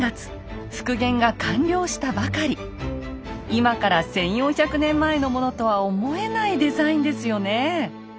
今から１，４００年前のものとは思えないデザインですよねえ。